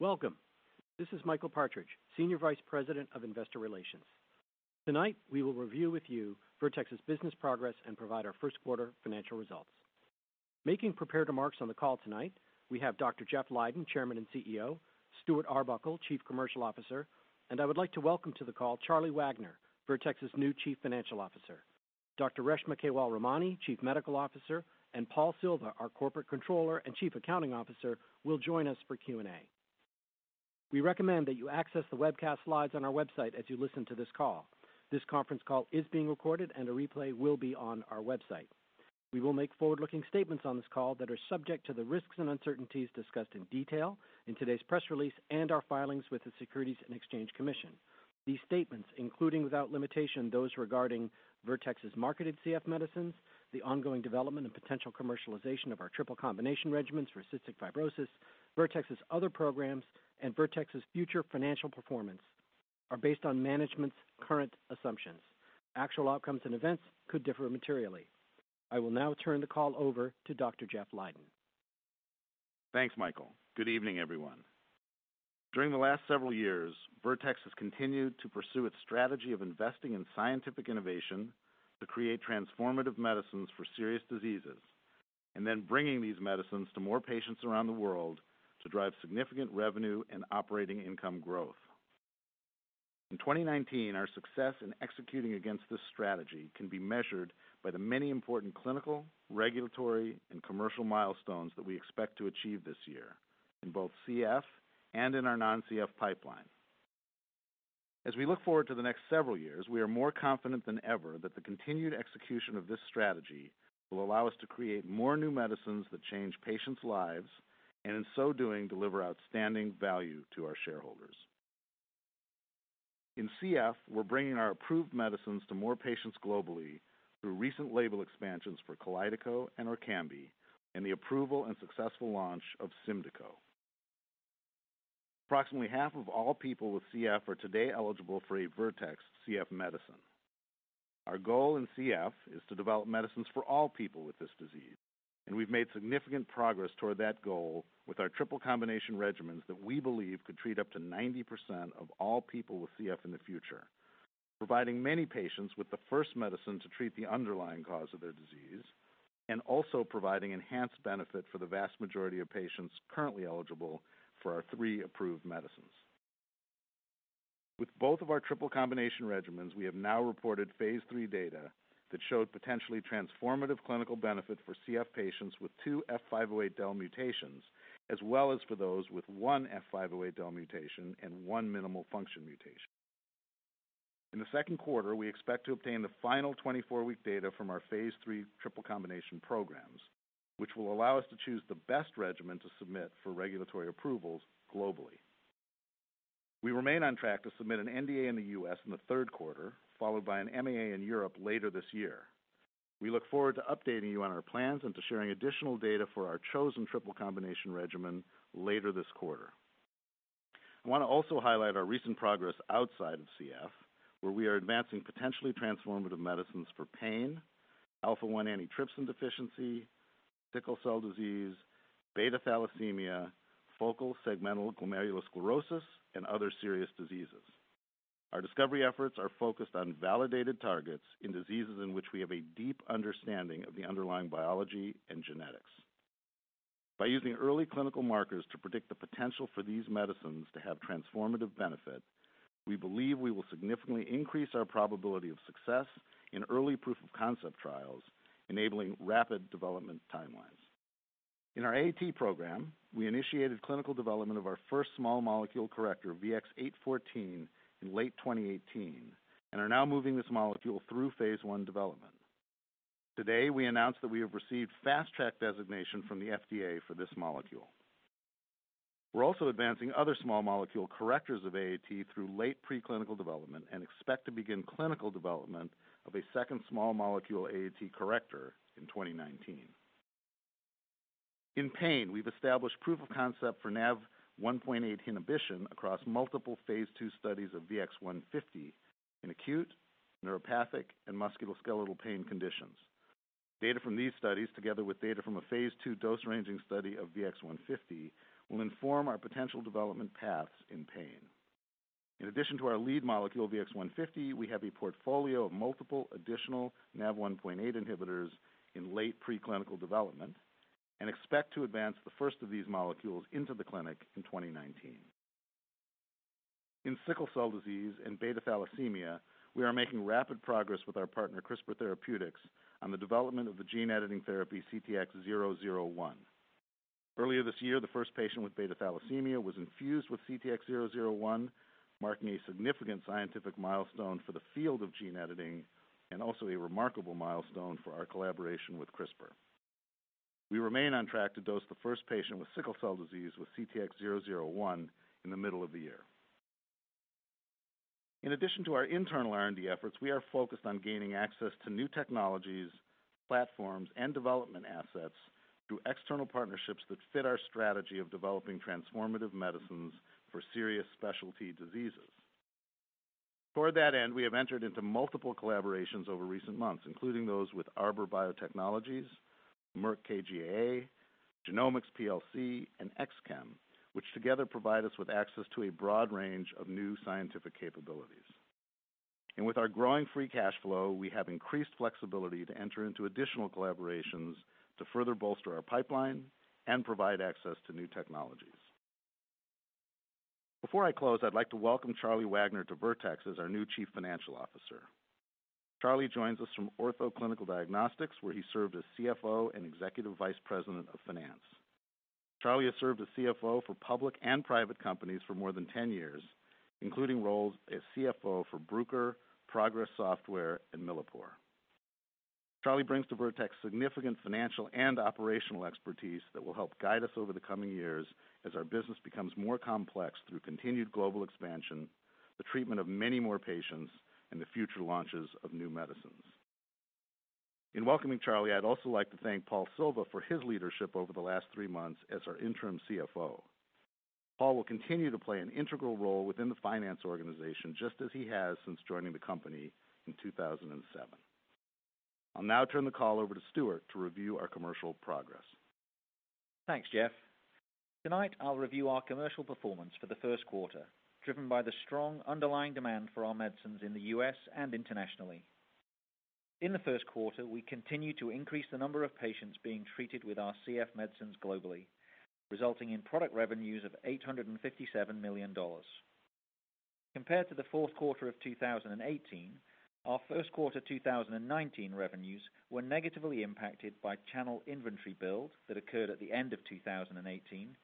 Welcome. This is Michael Partridge, Senior Vice President of Investor Relations. Tonight, we will review with you Vertex's business progress and provide our first-quarter financial results. Making prepared remarks on the call tonight, we have Dr. Jeffrey Leiden, Chairman and CEO, Stuart Arbuckle, Chief Commercial Officer. I would like to welcome to the call Charles Wagner, Vertex's new Chief Financial Officer. Dr. Reshma Kewalramani, Chief Medical Officer, and Paul Silva, our Corporate Controller and Chief Accounting Officer, will join us for Q&A. We recommend that you access the webcast slides on our website as you listen to this call. This conference call is being recorded and a replay will be on our website. We will make forward-looking statements on this call that are subject to the risks and uncertainties discussed in detail in today's press release and our filings with the Securities and Exchange Commission. These statements, including without limitation, those regarding Vertex's marketed CF medicines, the ongoing development and potential commercialization of our triple combination regimens for cystic fibrosis, Vertex's other programs, and Vertex's future financial performance, are based on management's current assumptions. Actual outcomes and events could differ materially. I will now turn the call over to Dr. Jeffrey Leiden. Thanks, Michael. Good evening, everyone. During the last several years, Vertex has continued to pursue its strategy of investing in scientific innovation to create transformative medicines for serious diseases, bringing these medicines to more patients around the world to drive significant revenue and operating income growth. In 2019, our success in executing against this strategy can be measured by the many important clinical, regulatory, and commercial milestones that we expect to achieve this year in both CF and in our non-CF pipeline. As we look forward to the next several years, we are more confident than ever that the continued execution of this strategy will allow us to create more new medicines that change patients' lives, and in so doing, deliver outstanding value to our shareholders. In CF, we're bringing our approved medicines to more patients globally through recent label expansions for KALYDECO and ORKAMBI, the approval and successful launch of SYMDEKO. Approximately half of all people with CF are today eligible for a Vertex CF medicine. Our goal in CF is to develop medicines for all people with this disease, and we've made significant progress toward that goal with our triple combination regimens that we believe could treat up to 90% of all people with CF in the future, providing many patients with the first medicine to treat the underlying cause of their disease, and also providing enhanced benefit for the vast majority of patients currently eligible for our three approved medicines. With both of our triple combination regimens, we have now reported phase III data that showed potentially transformative clinical benefit for CF patients with two F508del mutations, as well as for those with one F508del mutation and one minimal function mutation. In the second quarter, we expect to obtain the final 24-week data from our phase III triple combination programs, which will allow us to choose the best regimen to submit for regulatory approvals globally. We remain on track to submit an NDA in the U.S. in the third quarter, followed by an MAA in Europe later this year. We look forward to updating you on our plans and to sharing additional data for our chosen triple combination regimen later this quarter. I want to also highlight our recent progress outside of CF, where we are advancing potentially transformative medicines for pain, alpha-1 antitrypsin deficiency, sickle cell disease, beta thalassemia, focal segmental glomerulosclerosis, and other serious diseases. Our discovery efforts are focused on validated targets in diseases in which we have a deep understanding of the underlying biology and genetics. By using early clinical markers to predict the potential for these medicines to have transformative benefit, we believe we will significantly increase our probability of success in early proof-of-concept trials, enabling rapid development timelines. In our AAT program, we initiated clinical development of our first small molecule corrector, VX-814, in late 2018, and are now moving this molecule through phase I development. Today, we announced that we have received Fast Track designation from the FDA for this molecule. We're also advancing other small molecule correctors of AAT through late preclinical development and expect to begin clinical development of a second small molecule AAT corrector in 2019. In pain, we've established proof of concept for NaV1.8 inhibition across multiple phase II studies of VX-150 in acute, neuropathic, and musculoskeletal pain conditions. Data from these studies, together with data from a phase II dose-ranging study of VX-150, will inform our potential development paths in pain. In addition to our lead molecule, VX-150, we have a portfolio of multiple additional NaV1.8 inhibitors in late preclinical development and expect to advance the first of these molecules into the clinic in 2019. In sickle cell disease and beta thalassemia, we are making rapid progress with our partner, CRISPR Therapeutics, on the development of the gene-editing therapy CTX001. Earlier this year, the first patient with beta thalassemia was infused with CTX001, marking a significant scientific milestone for the field of gene editing and also a remarkable milestone for our collaboration with CRISPR. We remain on track to dose the first patient with sickle cell disease with CTX001 in the middle of the year. In addition to our internal R&D efforts, we are focused on gaining access to new technologies Platforms and development assets through external partnerships that fit our strategy of developing transformative medicines for serious specialty diseases. Toward that end, we have entered into multiple collaborations over recent months, including those with Arbor Biotechnologies, Merck KGaA, Genomics PLC, and X-Chem, which together provide us with access to a broad range of new scientific capabilities. With our growing free cash flow, we have increased flexibility to enter into additional collaborations to further bolster our pipeline and provide access to new technologies. Before I close, I'd like to welcome Charles Wagner to Vertex as our new Chief Financial Officer. Charlie joins us from Ortho Clinical Diagnostics, where he served as CFO and Executive Vice President of Finance. Charlie has served as CFO for public and private companies for more than 10 years, including roles as CFO for Bruker, Progress Software, and Millipore. Charlie brings to Vertex significant financial and operational expertise that will help guide us over the coming years as our business becomes more complex through continued global expansion, the treatment of many more patients, and the future launches of new medicines. In welcoming Charlie, I'd also like to thank Paul Silva for his leadership over the last three months as our interim CFO. Paul will continue to play an integral role within the finance organization, just as he has since joining the company in 2007. I'll now turn the call over to Stuart to review our commercial progress. Thanks, Jeff. Tonight, I'll review our commercial performance for the first quarter, driven by the strong underlying demand for our medicines in the U.S. and internationally. In the first quarter, we continued to increase the number of patients being treated with our CF medicines globally, resulting in product revenues of $857 million. Compared to the fourth quarter of 2018, our first quarter 2019 revenues were negatively impacted by channel inventory build that occurred at the end of 2018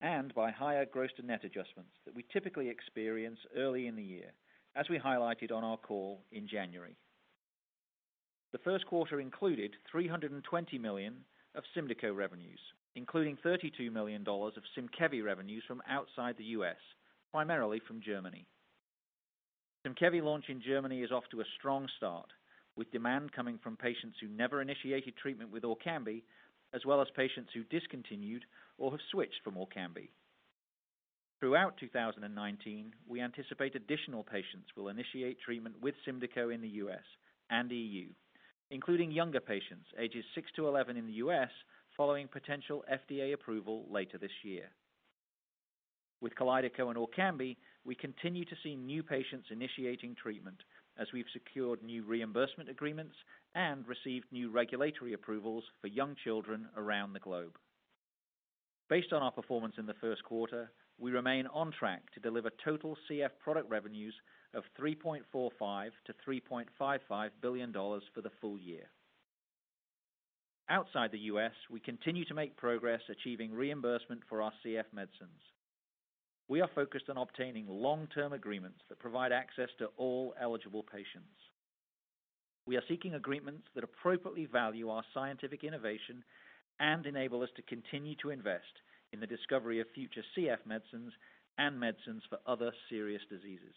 and by higher gross to net adjustments that we typically experience early in the year, as we highlighted on our call in January. The first quarter included $320 million of SYMDEKO revenues, including $32 million of SYMKEVI revenues from outside the U.S., primarily from Germany. SYMKEVI launch in Germany is off to a strong start, with demand coming from patients who never initiated treatment with ORKAMBI, as well as patients who discontinued or have switched from ORKAMBI. Throughout 2019, we anticipate additional patients will initiate treatment with SYMDEKO in the U.S. and EU, including younger patients ages six to 11 in the U.S. following potential FDA approval later this year. With KALYDECO and ORKAMBI, we continue to see new patients initiating treatment as we've secured new reimbursement agreements and received new regulatory approvals for young children around the globe. Based on our performance in the first quarter, we remain on track to deliver total CF product revenues of $3.45 billion to $3.55 billion for the full year. Outside the U.S., we continue to make progress achieving reimbursement for our CF medicines. We are focused on obtaining long-term agreements that provide access to all eligible patients. We are seeking agreements that appropriately value our scientific innovation and enable us to continue to invest in the discovery of future CF medicines and medicines for other serious diseases.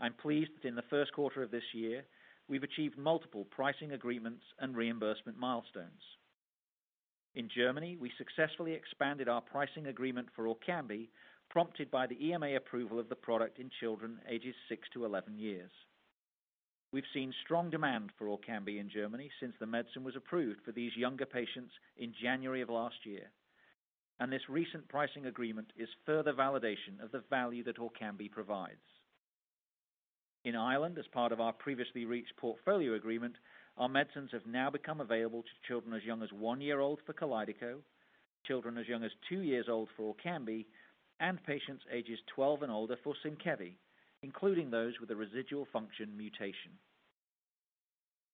I'm pleased that in the first quarter of this year, we've achieved multiple pricing agreements and reimbursement milestones. In Germany, we successfully expanded our pricing agreement for ORKAMBI, prompted by the EMA approval of the product in children ages 6 to 11 years. We've seen strong demand for ORKAMBI in Germany since the medicine was approved for these younger patients in January of last year. This recent pricing agreement is further validation of the value that ORKAMBI provides. In Ireland, as part of our previously reached portfolio agreement, our medicines have now become available to children as young as 1 year old for KALYDECO, children as young as 2 years old for ORKAMBI, and patients ages 12 and older for SYMKEVI, including those with a residual function mutation.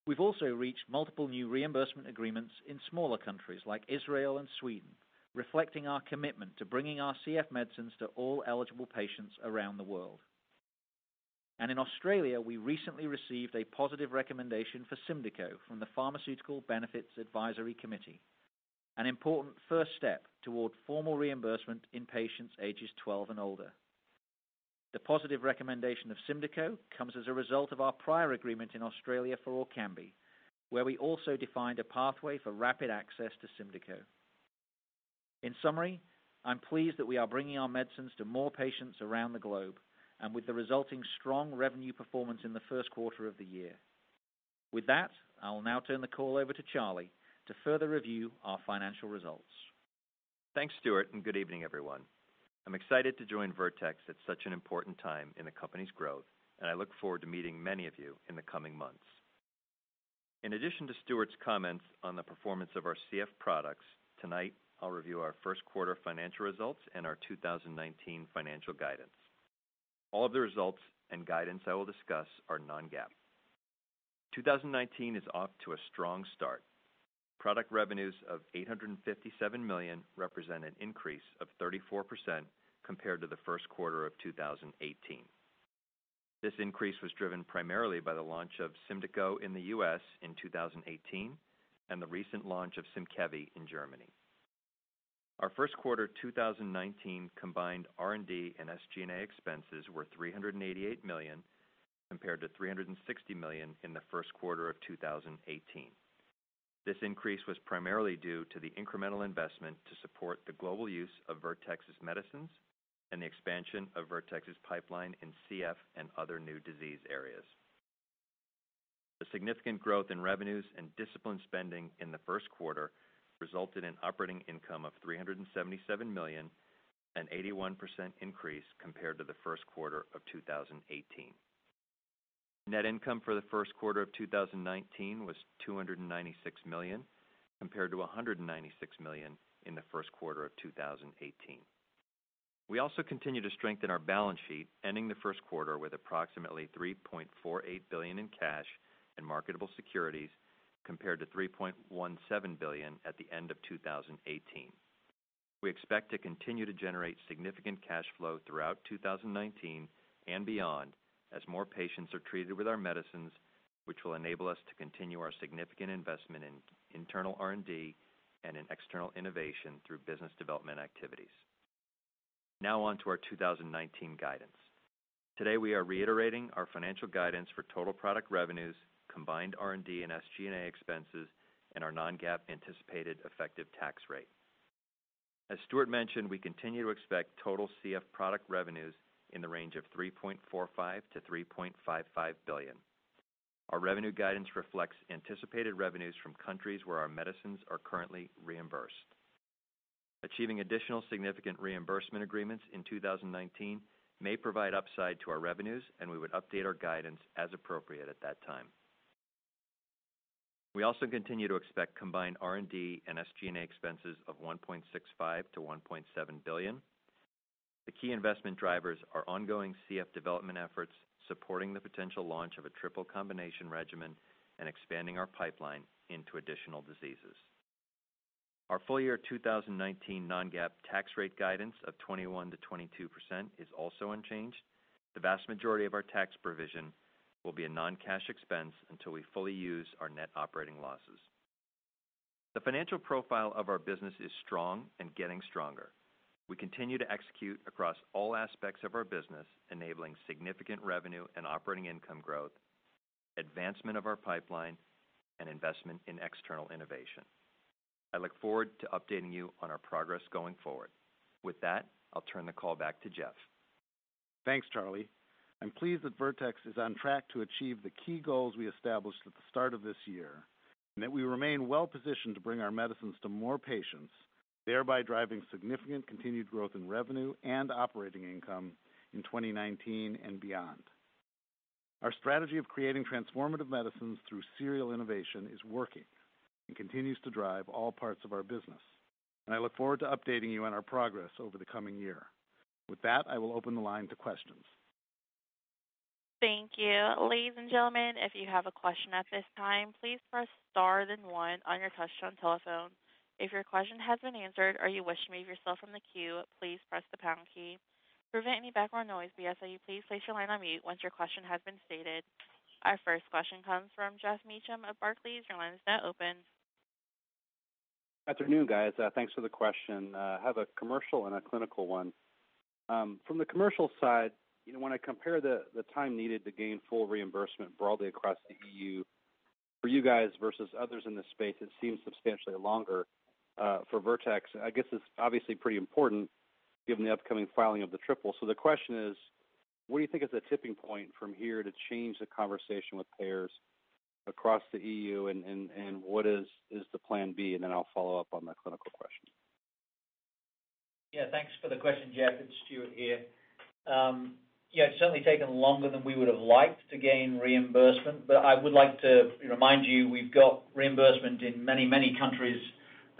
We've also reached multiple new reimbursement agreements in smaller countries like Israel and Sweden, reflecting our commitment to bringing our CF medicines to all eligible patients around the world. In Australia, we recently received a positive recommendation for SYMDEKO from the Pharmaceutical Benefits Advisory Committee, an important first step toward formal reimbursement in patients ages 12 and older. The positive recommendation of SYMDEKO comes as a result of our prior agreement in Australia for ORKAMBI, where we also defined a pathway for rapid access to SYMDEKO. In summary, I'm pleased that we are bringing our medicines to more patients around the globe and with the resulting strong revenue performance in the first quarter of the year. With that, I will now turn the call over to Charlie to further review our financial results. Thanks, Stuart, and good evening, everyone. I'm excited to join Vertex at such an important time in the company's growth, and I look forward to meeting many of you in the coming months. In addition to Stuart's comments on the performance of our CF products, tonight I'll review our first quarter financial results and our 2019 financial guidance. All of the results and guidance I will discuss are non-GAAP. 2019 is off to a strong start. Product revenues of $857 million represent an increase of 34% compared to the first quarter of 2018. This increase was driven primarily by the launch of SYMDEKO in the U.S. in 2018 and the recent launch of SYMKEVI in Germany. Our first quarter 2019 combined R&D and SG&A expenses were $388 million, compared to $360 million in the first quarter of 2018. This increase was primarily due to the incremental investment to support the global use of Vertex's medicines and the expansion of Vertex's pipeline in CF and other new disease areas. The significant growth in revenues and disciplined spending in the first quarter resulted in operating income of $377 million, an 81% increase compared to the first quarter of 2018. Net income for the first quarter of 2019 was $296 million, compared to $196 million in the first quarter of 2018. We also continue to strengthen our balance sheet, ending the first quarter with approximately $3.48 billion in cash and marketable securities, compared to $3.17 billion at the end of 2018. We expect to continue to generate significant cash flow throughout 2019 and beyond as more patients are treated with our medicines, which will enable us to continue our significant investment in internal R&D and in external innovation through business development activities. On to our 2019 guidance. Today, we are reiterating our financial guidance for total product revenues, combined R&D and SG&A expenses, and our non-GAAP anticipated effective tax rate. As Stuart mentioned, we continue to expect total CF product revenues in the range of $3.45 billion-$3.55 billion. Our revenue guidance reflects anticipated revenues from countries where our medicines are currently reimbursed. Achieving additional significant reimbursement agreements in 2019 may provide upside to our revenues, we would update our guidance as appropriate at that time. We also continue to expect combined R&D and SG&A expenses of $1.65 billion-$1.7 billion. The key investment drivers are ongoing CF development efforts supporting the potential launch of a triple combination regimen and expanding our pipeline into additional diseases. Our full-year 2019 non-GAAP tax rate guidance of 21%-22% is also unchanged. The vast majority of our tax provision will be a non-cash expense until we fully use our net operating losses. The financial profile of our business is strong and getting stronger. We continue to execute across all aspects of our business, enabling significant revenue and operating income growth, advancement of our pipeline, and investment in external innovation. I look forward to updating you on our progress going forward. With that, I'll turn the call back to Jeff. Thanks, Charlie. I'm pleased that Vertex is on track to achieve the key goals we established at the start of this year and that we remain well-positioned to bring our medicines to more patients, thereby driving significant continued growth in revenue and operating income in 2019 and beyond. Our strategy of creating transformative medicines through serial innovation is working and continues to drive all parts of our business, I look forward to updating you on our progress over the coming year. With that, I will open the line to questions. Thank you. Ladies and gentlemen, if you have a question at this time, please press star then one on your touchtone telephone. If your question has been answered or you wish to remove yourself from the queue, please press the pound key. To prevent any background noise, we ask that you please place your line on mute once your question has been stated. Our first question comes from Geoffrey Meacham of Barclays. Your line is now open. Afternoon, guys. Thanks for the question. I have a commercial and a clinical one. From the commercial side, when I compare the time needed to gain full reimbursement broadly across the EU for you guys versus others in this space, it seems substantially longer for Vertex. I guess it's obviously pretty important given the upcoming filing of the triple. The question is: What do you think is the tipping point from here to change the conversation with payers across the EU, and what is the plan B? I'll follow up on the clinical question. Thanks for the question, Jeff. It's Stuart here. It's certainly taken longer than we would've liked to gain reimbursement, I would like to remind you, we've got reimbursement in many countries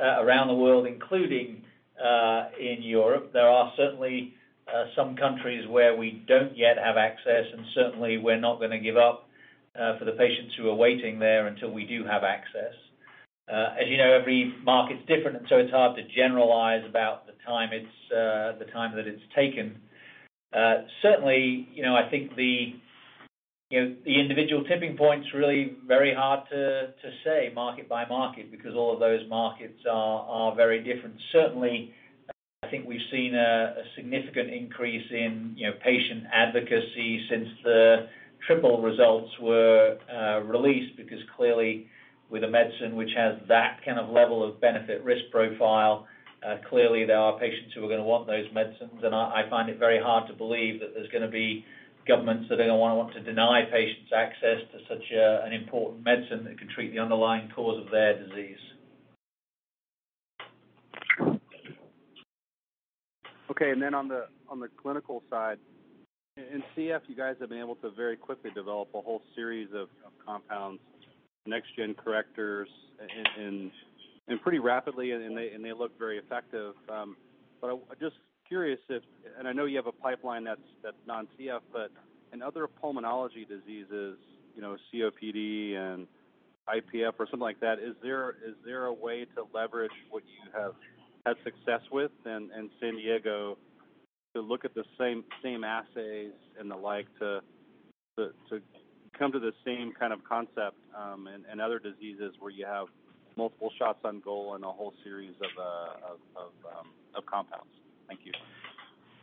around the world, including in Europe. There are certainly some countries where we don't yet have access, certainly we're not going to give up for the patients who are waiting there until we do have access. As you know, every market's different, it's hard to generalize about the time that it's taken. Certainly, I think the individual tipping point's really very hard to say market by market because all of those markets are very different. Certainly, I think we've seen a significant increase in patient advocacy since the triple results were released because clearly with a medicine which has that kind of level of benefit risk profile, clearly there are patients who are going to want those medicines, I find it very hard to believe that there's going to be governments that are going to want to deny patients access to such an important medicine that can treat the underlying cause of their disease. Okay, on the clinical side, in CF, you guys have been able to very quickly develop a whole series of compounds, next gen correctors, and pretty rapidly, and they look very effective. Just curious if, I know you have a pipeline that's non-CF, but in other pulmonology diseases, COPD and IPF or something like that, is there a way to leverage what you have had success with in San Diego to look at the same assays and the like to To come to the same kind of concept, other diseases where you have multiple shots on goal and a whole series of compounds. Thank you.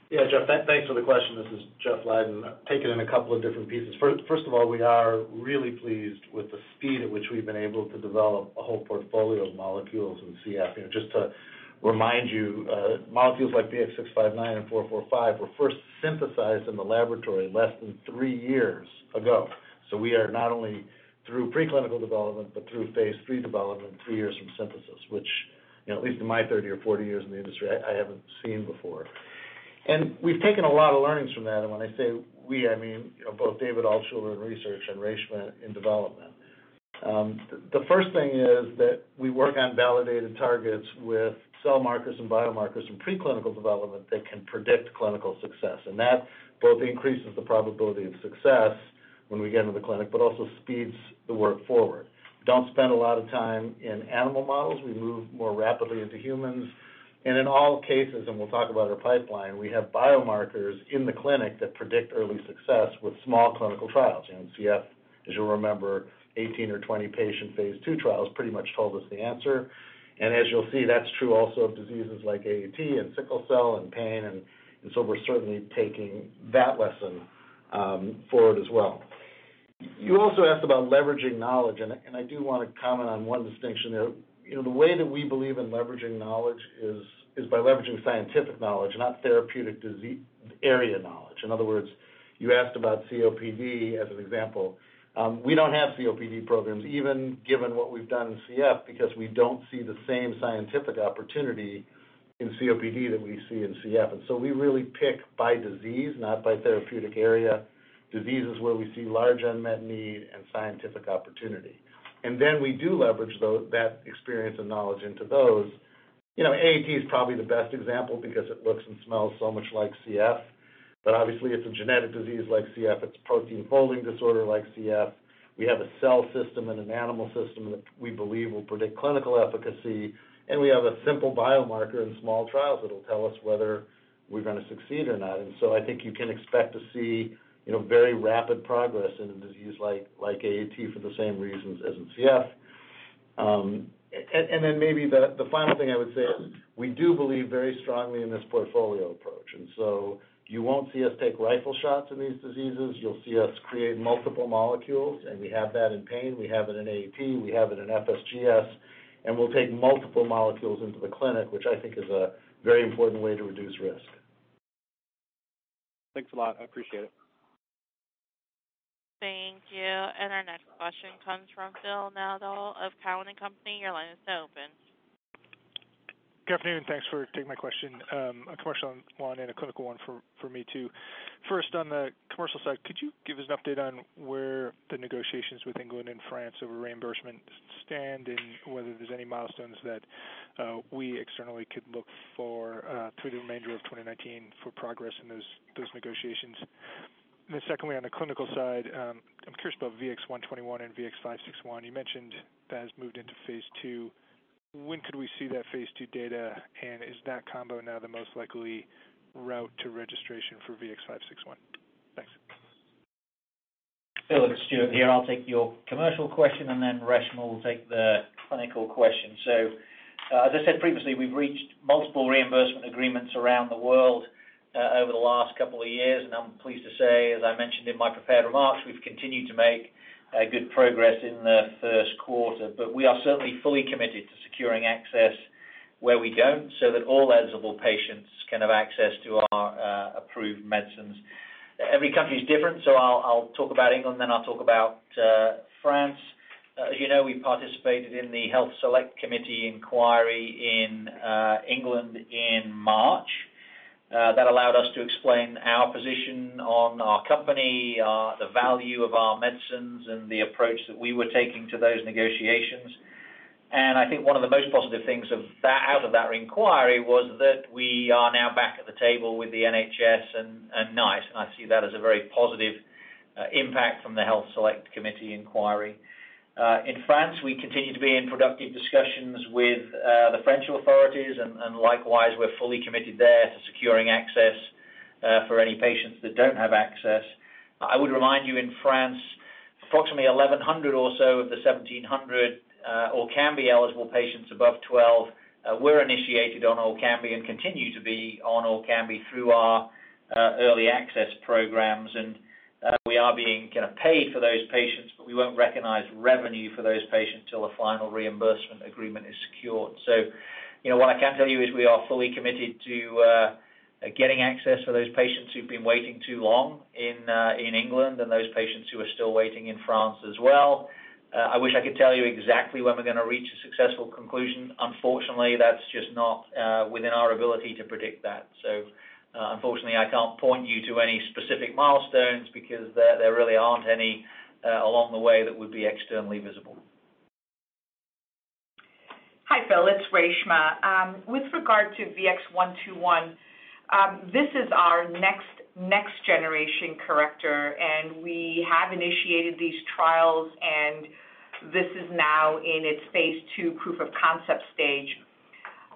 Yeah, Jeff, thanks for the question. This is Jeffrey Leiden. Take it in a couple of different pieces. First of all, we are really pleased with the speed at which we've been able to develop a whole portfolio of molecules in CF. Just to remind you, molecules like VX-659 and 445 were first synthesized in the laboratory less than three years ago. We are not only through preclinical development, but through phase III development three years from synthesis, which at least in my 30 or 40 years in the industry, I haven't seen before. We've taken a lot of learnings from that. When I say we, I mean both David Altshuler in research and Reshma in development. The first thing is that we work on validated targets with cell markers and biomarkers in preclinical development that can predict clinical success, that both increases the probability of success when we get into the clinic, but also speeds the work forward. We don't spend a lot of time in animal models. We move more rapidly into humans. In all cases, and we'll talk about our pipeline, we have biomarkers in the clinic that predict early success with small clinical trials. In CF, as you'll remember, 18 or 20 patient phase II trials pretty much told us the answer. As you'll see, that's true also of diseases like AAT and sickle cell and pain, so we're certainly taking that lesson forward as well. You also asked about leveraging knowledge, I do want to comment on one distinction there. The way that we believe in leveraging knowledge is by leveraging scientific knowledge, not therapeutic disease area knowledge. In other words, you asked about COPD as an example. We don't have COPD programs, even given what we've done in CF, because we don't see the same scientific opportunity in COPD that we see in CF. We really pick by disease, not by therapeutic area, diseases where we see large unmet need and scientific opportunity. Then we do leverage that experience and knowledge into those. AAT is probably the best example because it looks and smells so much like CF, but obviously it's a genetic disease like CF. It's a protein folding disorder like CF. We have a cell system and an animal system that we believe will predict clinical efficacy, and we have a simple biomarker in small trials that'll tell us whether we're going to succeed or not. I think you can expect to see very rapid progress in a disease like AAT for the same reasons as in CF. Maybe the final thing I would say is we do believe very strongly in this portfolio approach, and so you won't see us take rifle shots in these diseases. You'll see us create multiple molecules, and we have that in pain. We have it in AAT, we have it in FSGS, and we'll take multiple molecules into the clinic, which I think is a very important way to reduce risk. Thanks a lot. I appreciate it. Thank you. Our next question comes from Phil Nadeau of Cowen and Company. Your line is now open. Good afternoon, thanks for taking my question. A commercial one and a clinical one for me, too. First, on the commercial side, could you give us an update on where the negotiations with England and France over reimbursement stand and whether there's any milestones that we externally could look for through the remainder of 2019 for progress in those negotiations? Secondly, on the clinical side, I'm curious about VX-121 and VX-561. You mentioned that has moved into phase II. When could we see that phase II data? Is that combo now the most likely route to registration for VX-561? Thanks. Phil, it's Stuart here. I'll take your commercial question, then Reshma will take the clinical question. As I said previously, we've reached multiple reimbursement agreements around the world over the last couple of years, and I'm pleased to say, as I mentioned in my prepared remarks, we've continued to make good progress in the first quarter. We are certainly fully committed to securing access where we don't, so that all eligible patients can have access to our approved medicines. Every country is different. I'll talk about England, then I'll talk about France. As you know, we participated in the Health and Social Care Select Committee inquiry in England in March. That allowed us to explain our position on our company, the value of our medicines, and the approach that we were taking to those negotiations. I think one of the most positive things out of that inquiry was that we are now back at the table with the NHS and NICE, and I see that as a very positive impact from the Health and Social Care Select Committee inquiry. In France, we continue to be in productive discussions with the French authorities and likewise, we're fully committed there to securing access for any patients that don't have access. I would remind you, in France, approximately 1,100 or so of the 1,700 ORKAMBI-eligible patients above 12 were initiated on ORKAMBI and continue to be on ORKAMBI through our early access programs. We are being paid for those patients, but we won't recognize revenue for those patients till a final reimbursement agreement is secured. What I can tell you is we are fully committed to getting access for those patients who've been waiting too long in England and those patients who are still waiting in France as well. I wish I could tell you exactly when we're going to reach a successful conclusion. Unfortunately, that's just not within our ability to predict that. Unfortunately, I can't point you to any specific milestones because there really aren't any along the way that would be externally visible. Hi, Phil. It's Reshma. With regard to VX-121, this is our next generation corrector. We have initiated these trials, and this is now in its phase II proof of concept stage.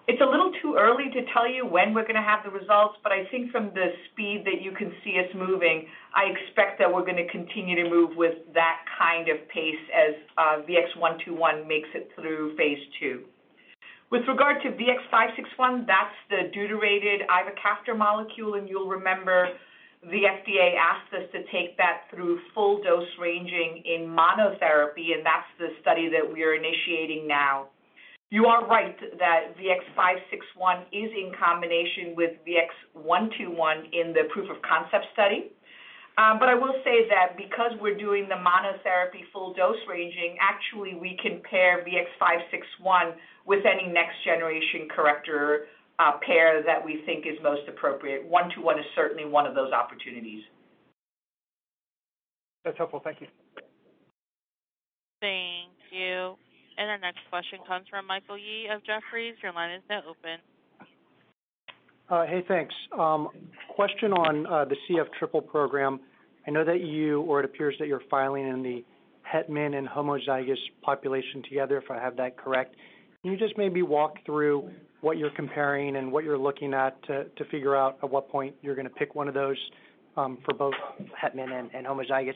It's a little too early to tell you when we're going to have the results, but I think from the speed that you can see us moving, I expect that we're going to continue to move with that kind of pace as VX-121 makes it through phase II. With regard to VX-561, that's the deuterated ivacaftor molecule. You'll remember the FDA asked us to take that through full dose ranging in monotherapy. That's the study that we are initiating now. You are right that VX-561 is in combination with VX-121 in the proof of concept study. I will say that because we're doing the monotherapy full dose ranging, actually, we can pair VX-561 with any next generation corrector pair that we think is most appropriate. 121 is certainly one of those opportunities. That's helpful. Thank you. Thank you. Our next question comes from Michael Yee of Jefferies. Your line is now open. Hey, thanks. Question on the CF triple program. I know that you, or it appears that you're filing in the Het M and homozygous population together, if I have that correct. Can you just maybe walk through what you're comparing and what you're looking at to figure out at what point you're going to pick one of those for both Het M and homozygous?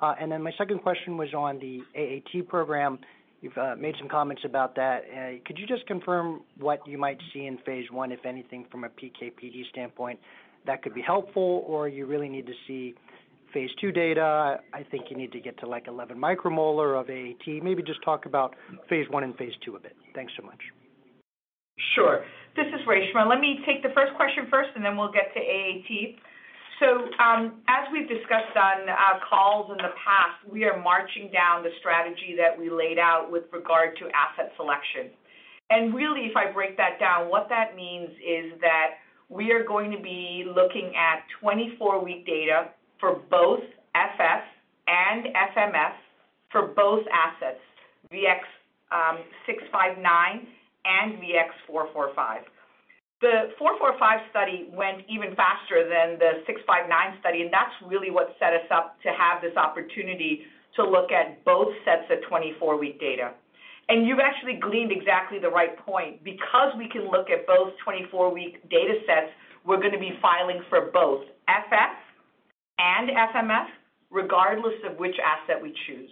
My second question was on the AAT program. You've made some comments about that. Could you just confirm what you might see in phase I, if anything, from a PK/PD standpoint that could be helpful, or you really need to see phase II data? I think you need to get to 11 micromolar of AAT. Maybe just talk about phase I and phase II a bit. Thanks so much. Sure. This is Reshma. Let me take the first question first. We'll get to AAT. As we've discussed on our calls in the past, we are marching down the strategy that we laid out with regard to asset selection. Really, if I break that down, what that means is that we are going to be looking at 24-week data for both FF and FMF for both assets, VX-659 and VX-445. The 445 study went even faster than the 659 study, and that's really what set us up to have this opportunity to look at both sets of 24-week data. You've actually gleaned exactly the right point. Because we can look at both 24-week data sets, we're going to be filing for both FF and FMF, regardless of which asset we choose.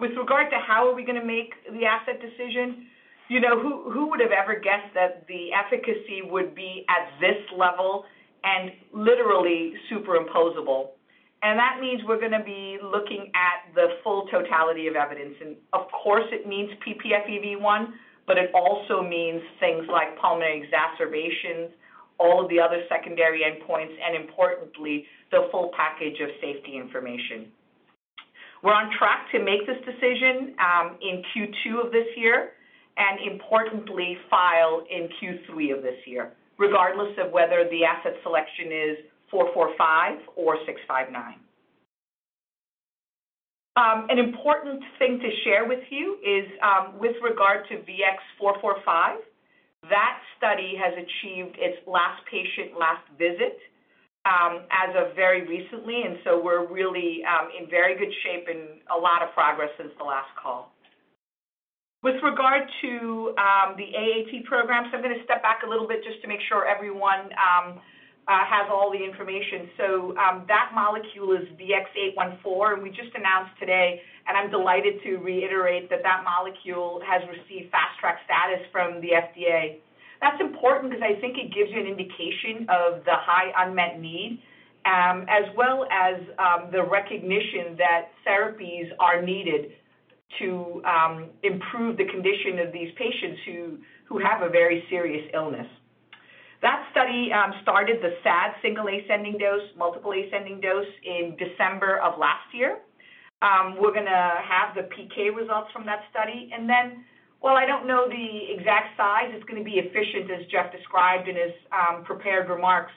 With regard to how are we going to make the asset decision, who would have ever guessed that the efficacy would be at this level and literally superimposable? That means we're going to be looking at the full totality of evidence. Of course, it means ppFEV1, but it also means things like pulmonary exacerbations, all of the other secondary endpoints, and importantly, the full package of safety information. We're on track to make this decision in Q2 of this year, and importantly, file in Q3 of this year, regardless of whether the asset selection is 445 or 659. An important thing to share with you is with regard to VX-445, that study has achieved its last patient last visit as of very recently. We're really in very good shape and a lot of progress since the last call. With regard to the AAT program, I'm going to step back a little bit just to make sure everyone has all the information. That molecule is VX-814. We just announced today, and I'm delighted to reiterate that that molecule has received Fast Track status from the FDA. That's important because I think it gives you an indication of the high unmet need, as well as the recognition that therapies are needed to improve the condition of these patients who have a very serious illness. That study started the SAD single ascending dose, multiple ascending dose in December of last year. We're going to have the PK results from that study. While I don't know the exact size, it's going to be efficient, as Jeff described in his prepared remarks.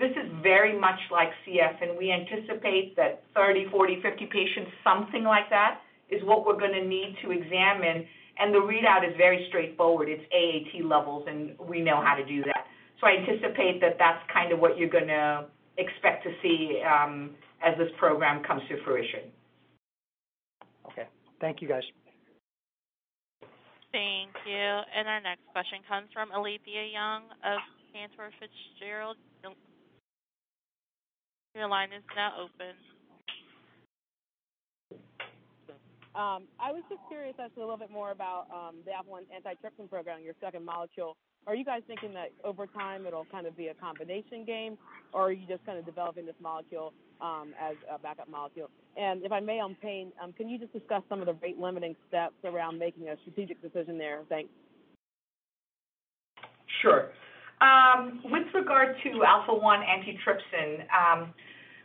This is very much like CF, and we anticipate that 30, 40, 50 patients, something like that, is what we're going to need to examine, and the readout is very straightforward. It's AAT levels, and we know how to do that. I anticipate that that's what you're going to expect to see as this program comes to fruition. Okay. Thank you, guys. Thank you. Our next question comes from Alethia Young of Cantor Fitzgerald. Your line is now open. I was just curious as to a little bit more about the alpha-1 antitrypsin program, your second molecule. Are you guys thinking that over time it'll be a combination game, or are you just developing this molecule as a backup molecule? If I may, on pain, can you just discuss some of the rate-limiting steps around making a strategic decision there? Thanks. Sure. With regard to alpha-1 antitrypsin,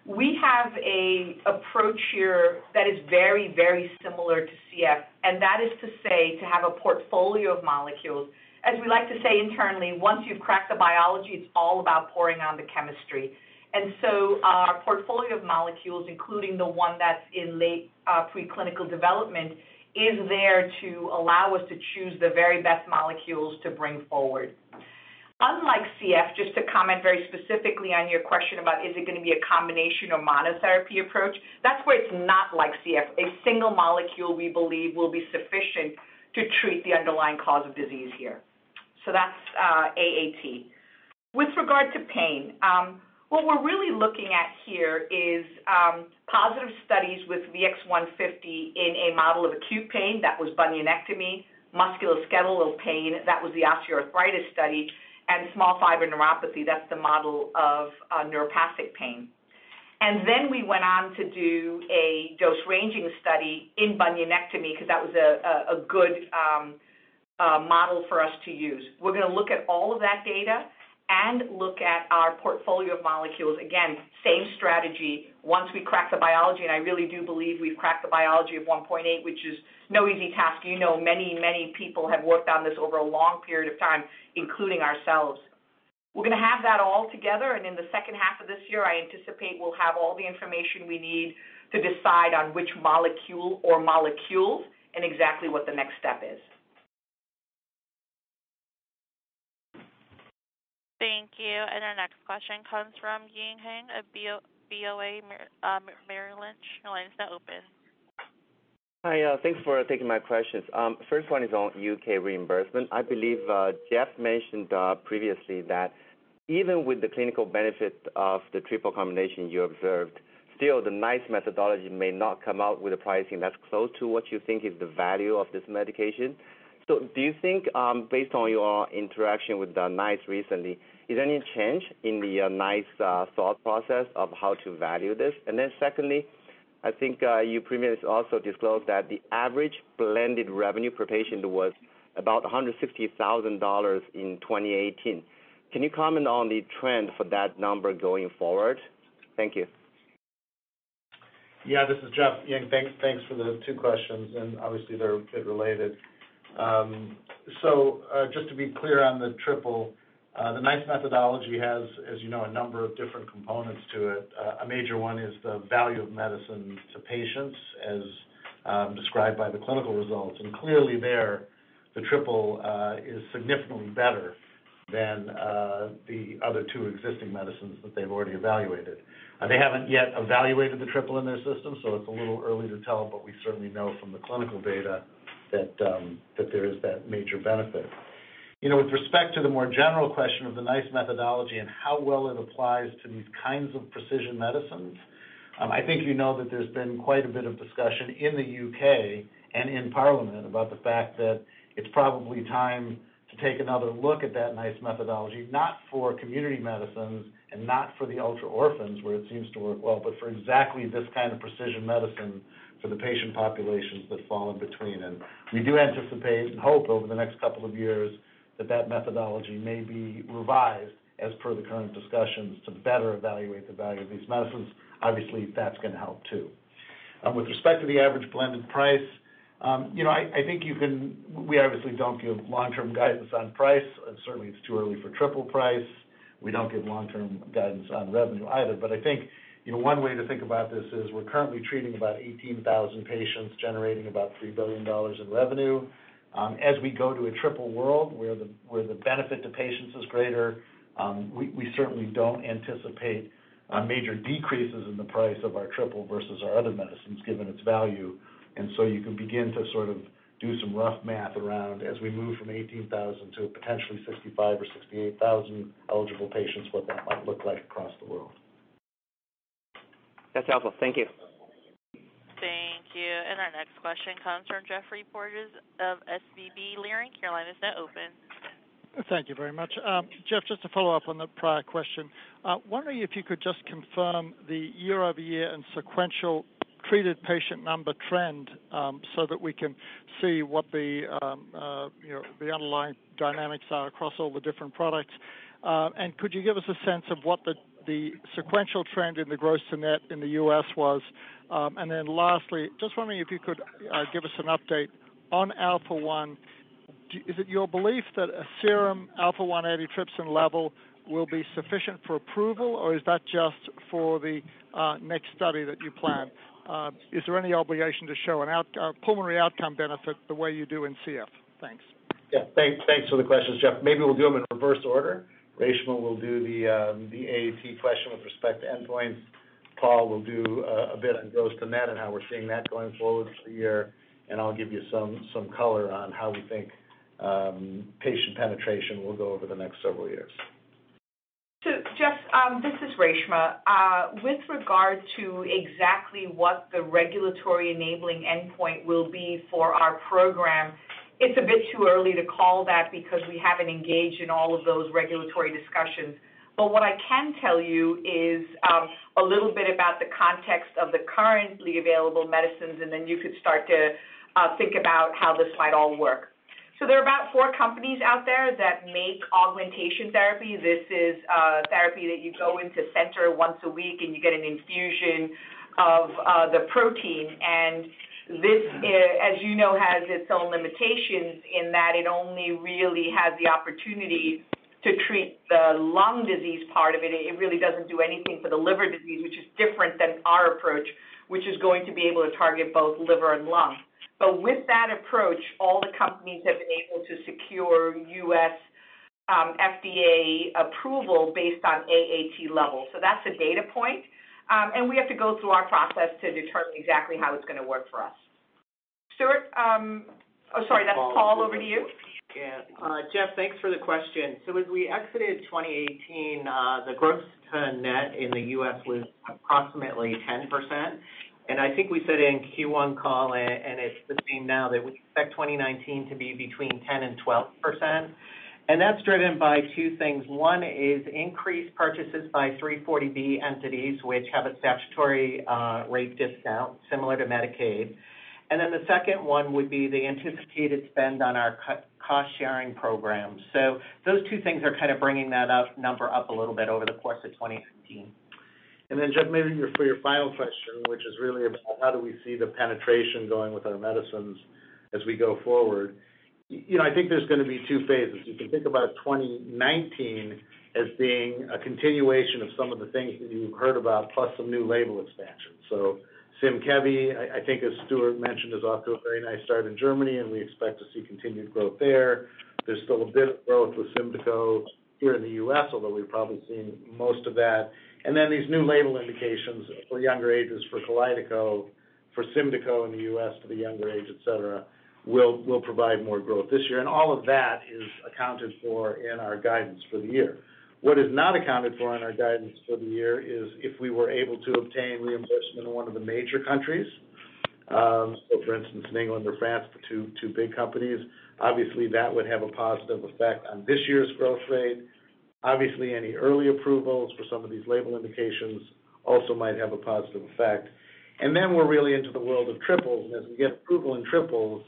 we have an approach here that is very similar to CF, and that is to say, to have a portfolio of molecules. As we like to say internally, once you've cracked the biology, it's all about pouring on the chemistry. Our portfolio of molecules, including the one that's in late preclinical development, is there to allow us to choose the very best molecules to bring forward. Unlike CF, just to comment very specifically on your question about is it going to be a combination or monotherapy approach, that's where it's not like CF. A single molecule, we believe, will be sufficient to treat the underlying cause of disease here. That's AAT. With regard to pain, what we're really looking at here is positive studies with VX-150 in a model of acute pain. That was bunionectomy, musculoskeletal pain, that was the osteoarthritis study, and small fiber neuropathy, that's the model of neuropathic pain. Then we went on to do a dose-ranging study in bunionectomy because that was a good model for us to use. We're going to look at all of that data and look at our portfolio of molecules. Again, same strategy. Once we crack the biology, I really do believe we've cracked the biology of 1.8, which is no easy task. Many, many people have worked on this over a long period of time, including ourselves. We're going to have that all together, and in the second half of this year, I anticipate we'll have all the information we need to decide on which molecule or molecules and exactly what the next step is. Thank you. Our next question comes from Ying Huang of BofA Merrill Lynch. Your line is now open. Hi. Thanks for taking my questions. First one is on U.K. reimbursement. I believe Jeff mentioned previously that even with the clinical benefit of the triple combination you observed, still, the NICE methodology may not come out with a pricing that's close to what you think is the value of this medication. Do you think, based on your interaction with NICE recently, is there any change in the NICE thought process of how to value this? Secondly, I think you previously also disclosed that the average blended revenue per patient was about $160,000 in 2018. Can you comment on the trend for that number going forward? Thank you. Yeah. This is Jeff Leiden. Ying, thanks for the two questions. Obviously, they're a bit related. Just to be clear on the triple, the NICE methodology has, as you know, a number of different components to it. A major one is the value of medicine to patients as described by the clinical results. Clearly there, the triple is significantly better than the other two existing medicines that they've already evaluated. They haven't yet evaluated the triple in their system, so it's a little early to tell, but we certainly know from the clinical data that there is that major benefit. With respect to the more general question of the NICE methodology and how well it applies to these kinds of precision medicines, I think you know that there's been quite a bit of discussion in the U.K. and in Parliament about the fact that it's probably time to take another look at that NICE methodology, not for community medicines and not for the ultra orphans, where it seems to work well, but for exactly this kind of precision medicine for the patient populations that fall in between them. We do anticipate and hope over the next couple of years that that methodology may be revised as per the current discussions to better evaluate the value of these medicines. Obviously, that's going to help, too. With respect to the average blended price, we obviously don't give long-term guidance on price. Certainly, it's too early for triple price. We don't give long-term guidance on revenue either. I think one way to think about this is we're currently treating about 18,000 patients, generating about $3 billion in revenue. As we go to a triple world where the benefit to patients is greater, we certainly don't anticipate major decreases in the price of our triple versus our other medicines, given its value. You can begin to sort of do some rough math around as we move from 18,000 to potentially 65,000 or 68,000 eligible patients, what that might look like across the world. That's helpful. Thank you. Thank you. Our next question comes from Geoffrey Porges of SVB Leerink. Your line is now open. Thank you very much. Jeff, just to follow up on the prior question, wondering if you could just confirm the year-over-year and sequential treated patient number trend so that we can see what the underlying dynamics are across all the different products. Could you give us a sense of what the sequential trend in the gross to net in the U.S. was? Then lastly, just wondering if you could give us an update on alpha-1. Is it your belief that a serum alpha-1 antitrypsin level will be sufficient for approval, or is that just for the next study that you plan? Is there any obligation to show a pulmonary outcome benefit the way you do in CF? Thanks. Yeah. Thanks for the questions, Jeff. Maybe we'll do them in reverse order. Reshma will do the AAT question with respect to endpoints. Paul will do a bit on gross to net and how we're seeing that going forward for the year, and I'll give you some color on how we think patient penetration will go over the next several years. Jeff, this is Reshma. With regard to exactly what the regulatory enabling endpoint will be for our program, it's a bit too early to call that because we haven't engaged in all of those regulatory discussions. What I can tell you is a little bit about the context of the currently available medicines, and then you could start to think about how this might all work. There are about four companies out there that make augmentation therapy. This is a therapy that you go into center once a week, and you get an infusion of the protein. This, as you know, has its own limitations in that it only really has the opportunity to treat the lung disease part of it. It really doesn't do anything for the liver disease, which is different than our approach, which is going to be able to target both liver and lung. With that approach, all the companies have been able to secure U.S. FDA approval based on AAT level. That's a data point. We have to go through our process to determine exactly how it's going to work for us. Stuart. Oh, sorry. That's Paul, over to you. Yeah. Jeff, thanks for the question. As we exited 2018, the gross turn net in the U.S. was approximately 10%. I think we said in Q1 call, and it's the same now, that we expect 2019 to be between 10% and 12%. That's driven by two things. One is increased purchases by 340B entities, which have a statutory rate discount similar to Medicaid. The second one would be the anticipated spend on our cost-sharing program. Those two things are bringing that number up a little bit over the course of 2019. Then, Jeff, maybe for your final question, which is really about how do we see the penetration going with our medicines as we go forward. I think there's going to be two phases. You can think about 2019 as being a continuation of some of the things that you've heard about, plus some new label expansions. Symkevi, I think as Stuart mentioned, is off to a very nice start in Germany, and we expect to see continued growth there. There's still a bit of growth with SYMDEKO here in the U.S., although we've probably seen most of that. These new label indications for younger ages for KALYDECO, for SYMDEKO in the U.S. for the younger age, et cetera, will provide more growth this year. All of that is accounted for in our guidance for the year. What is not accounted for in our guidance for the year is if we were able to obtain reimbursement in one of the major countries. For instance, in England or France, the two big companies. That would have a positive effect on this year's growth rate. Any early approvals for some of these label indications also might have a positive effect. We're really into the world of triples. As we get approval in triples,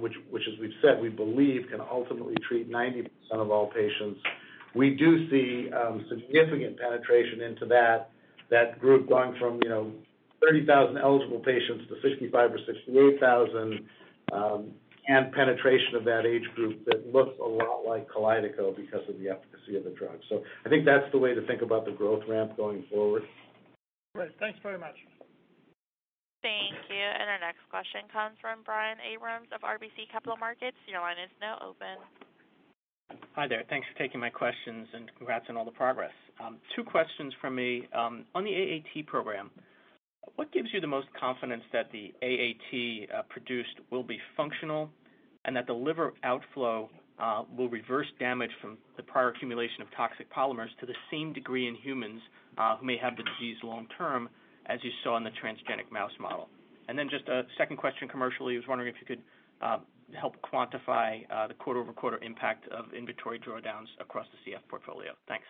which as we've said, we believe can ultimately treat 90% of all patients, we do see significant penetration into that group going from 30,000 eligible patients to 65,000 or 68,000 and penetration of that age group that looks a lot like KALYDECO because of the efficacy of the drug. I think that's the way to think about the growth ramp going forward. Great. Thanks very much. Thank you. Our next question comes from Brian Abrahams of RBC Capital Markets. Your line is now open. Hi there. Thanks for taking my questions, and congrats on all the progress. Two questions from me. On the AAT program, what gives you the most confidence that the AAT produced will be functional and that the liver outflow will reverse damage from the prior accumulation of toxic polymers to the same degree in humans who may have the disease long term, as you saw in the transgenic mouse model? Just a second question commercially, I was wondering if you could help quantify the quarter-over-quarter impact of inventory drawdowns across the CF portfolio. Thanks.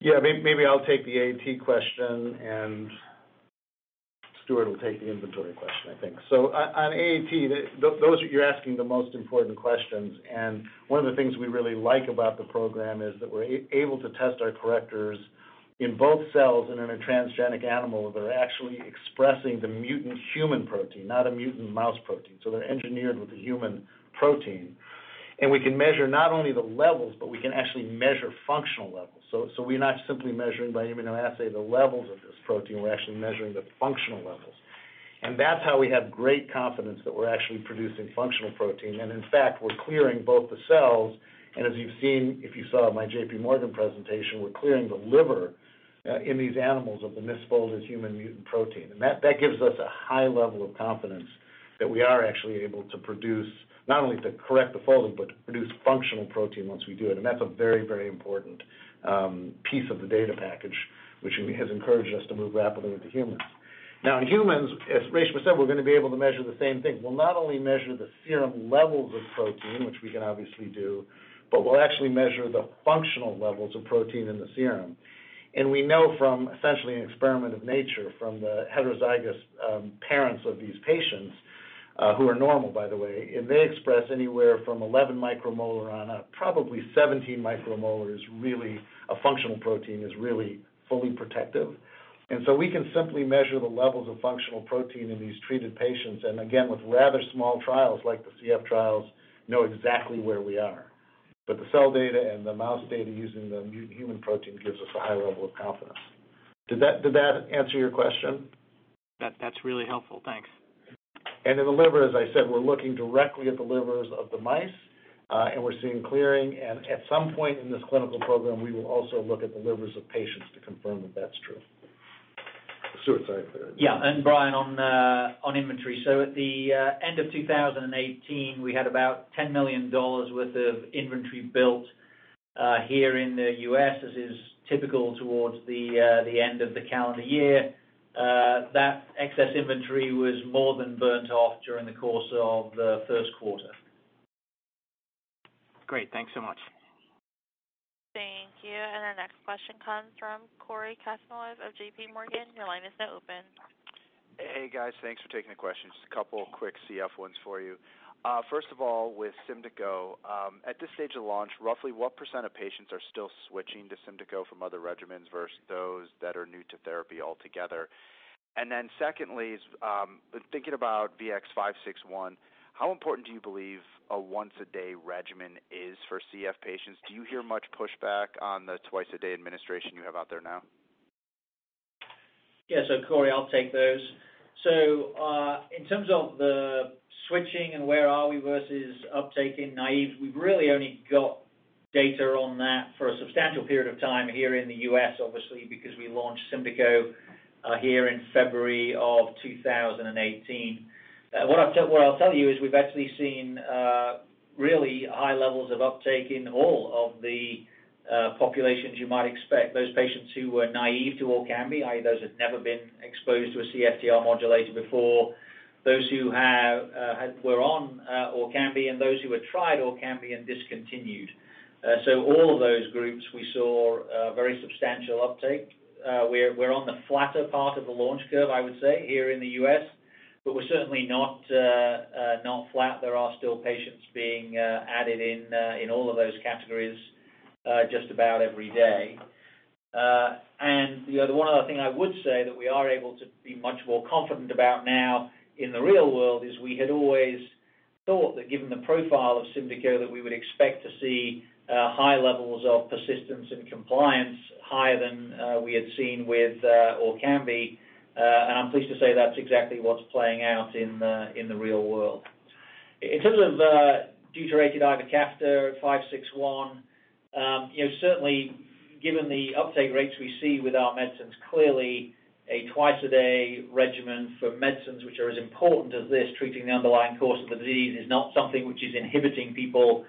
Yeah. Maybe I'll take the AAT question, Stuart will take the inventory question, I think. On AAT, you're asking the most important questions, One of the things we really like about the program is that we're able to test our correctors in both cells and in a transgenic animal that are actually expressing the mutant human protein, not a mutant mouse protein. They're engineered with a human protein. We can measure not only the levels, but we can actually measure functional levels. We're not simply measuring by immunoassay the levels of this protein, we're actually measuring the functional levels. That's how we have great confidence that we're actually producing functional protein. In fact, we're clearing both the cells, and as you've seen, if you saw my J.P. Morgan presentation, we're clearing the liver in these animals of the misfolded human mutant protein. That gives us a high level of confidence that we are actually able to produce, not only to correct the folding, but to produce functional protein once we do it. That's a very important piece of the data package, which has encouraged us to move rapidly with the humans. In humans, as Reshma said, we're going to be able to measure the same thing. We'll not only measure the serum levels of protein, which we can obviously do, but we'll actually measure the functional levels of protein in the serum. We know from essentially an experiment of nature from the heterozygous parents of these patients, who are normal by the way, if they express anywhere from 11 micromolar on up, probably 17 micromolar is really a functional protein, is really fully protective. We can simply measure the levels of functional protein in these treated patients, and again, with rather small trials like the CF trials, know exactly where we are. The cell data and the mouse data using the human protein gives us a high level of confidence. Did that answer your question? That's really helpful. Thanks. In the liver, as I said, we're looking directly at the livers of the mice, and we're seeing clearing. At some point in this clinical program, we will also look at the livers of patients to confirm that that's true. Stuart, sorry for the. Yeah. Brian, on inventory. At the end of 2018, we had about $10 million worth of inventory built here in the U.S., as is typical towards the end of the calendar year. That excess inventory was more than burnt off during the course of the first quarter. Great. Thanks so much. Thank you. Our next question comes from Cory Kasimov of J.P. Morgan. Your line is now open. Hey, guys. Thanks for taking the questions. Just a couple quick CF ones for you. First of all, with SYMDEKO, at this stage of launch, roughly what % of patients are still switching to SYMDEKO from other regimens versus those that are new to therapy altogether? Secondly, thinking about VX-561, how important do you believe a once-a-day regimen is for CF patients? Do you hear much pushback on the twice-a-day administration you have out there now? Yeah. Cory, I'll take those. In terms of the switching and where are we versus uptake in naive, we've really only got data on that for a substantial period of time here in the U.S., obviously, because we launched SYMDEKO here in February of 2018. What I'll tell you is we've actually seen really high levels of uptake in all of the populations you might expect. Those patients who were naive to ORKAMBI, i.e., those who'd never been exposed to a CFTR modulator before, those who were on ORKAMBI, and those who had tried ORKAMBI and discontinued. All of those groups we saw a very substantial uptake. We're on the flatter part of the launch curve, I would say, here in the U.S., but we're certainly not flat. There are still patients being added in all of those categories just about every day. The one other thing I would say that we are able to be much more confident about now in the real world is we had always thought that given the profile of SYMDEKO, that we would expect to see high levels of persistence and compliance, higher than we had seen with ORKAMBI. I'm pleased to say that's exactly what's playing out in the real world. In terms of deuterated ivacaftor VX-561, certainly given the uptake rates we see with our medicines, clearly a twice-a-day regimen for medicines which are as important as this, treating the underlying cause of the disease, is not something which is inhibiting people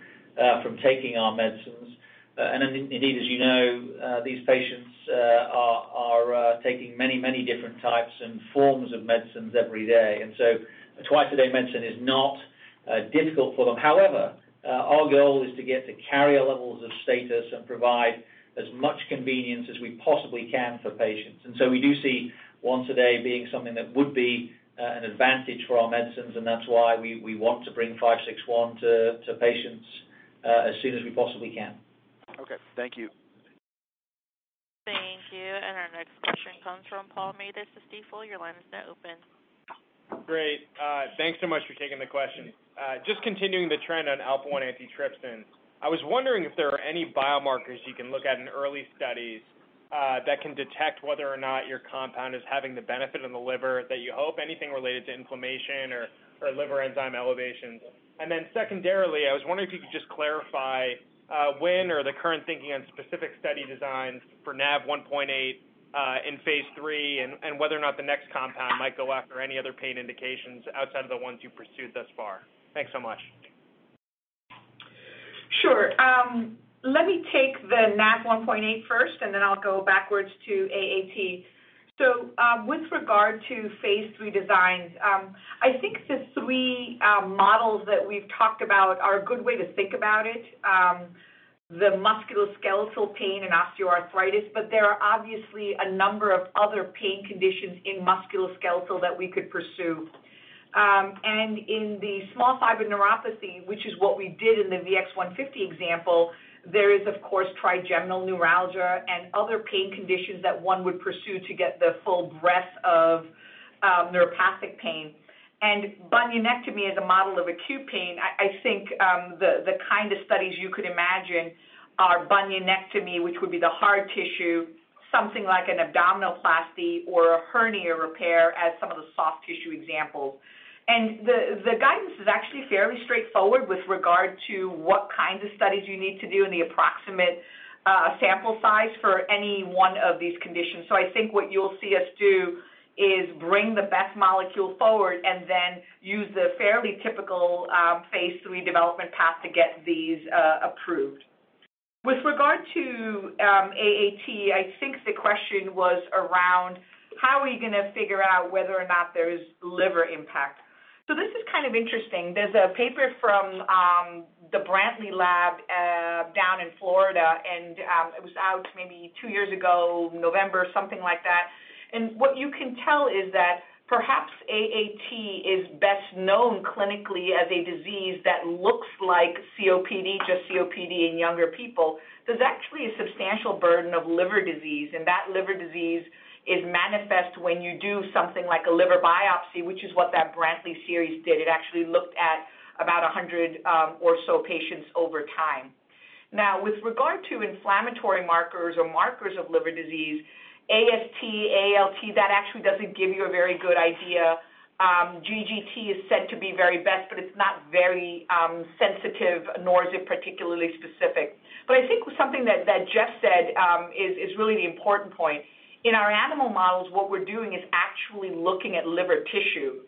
from taking our medicines. Indeed, as you know, these patients are taking many different types and forms of medicines every day. A twice-a-day medicine is not difficult for them. However, our goal is to get to carrier levels of status and provide as much convenience as we possibly can for patients. We do see once a day being something that would be an advantage for our medicines, and that's why we want to bring VX-561 to patients as soon as we possibly can. Okay. Thank you. Thank you. Our next question comes from Paul Matteis, Stifel. Your line is now open. Great. Thanks so much for taking the question. Just continuing the trend on alpha-1 antitrypsin. I was wondering if there are any biomarkers you can look at in early studies that can detect whether or not your compound is having the benefit on the liver that you hope, anything related to inflammation or liver enzyme elevations. Secondarily, I was wondering if you could just clarify when or the current thinking on specific study designs for NaV1.8 in phase III and whether or not the next compound might go after any other pain indications outside of the ones you've pursued thus far. Thanks so much. Sure. Let me take the NaV1.8 first, then I'll go backwards to AAT. With regard to phase III designs, I think the three models that we've talked about are a good way to think about it. The musculoskeletal pain and osteoarthritis, there are obviously a number of other pain conditions in musculoskeletal that we could pursue. In the small fiber neuropathy, which is what we did in the VX-150 example, there is of course trigeminal neuralgia and other pain conditions that one would pursue to get the full breadth of neuropathic pain. Bunionectomy as a model of acute pain, I think, the kind of studies you could imagine are bunionectomy, which would be the hard tissue, something like an abdominoplasty or a hernia repair as some of the soft tissue examples. The guidance is actually fairly straightforward with regard to what kinds of studies you need to do and the approximate sample size for any one of these conditions. I think what you'll see us do is bring the best molecule forward and then use the fairly typical phase III development path to get these approved. With regard to AAT, I think the question was around how are we going to figure out whether or not there is liver impact? This is kind of interesting. There's a paper from the Brantley Lab down in Florida, and it was out maybe two years ago, November, something like that. What you can tell is that perhaps AAT is best known clinically as a disease that looks like COPD, just COPD in younger people. There's actually a substantial burden of liver disease, and that liver disease is manifest when you do something like a liver biopsy, which is what that Brantley series did. It actually looked at about 100 or so patients over time. With regard to inflammatory markers or markers of liver disease, AST, ALT, that actually doesn't give you a very good idea. GGT is said to be very best, but it's not very sensitive, nor is it particularly specific. I think something that Jeff said is really the important point. In our animal models, what we're doing is actually looking at liver tissue.